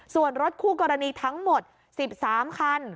ส่วนรถคู่กรณีทั้งหมด๑๓คัน